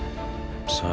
さあ。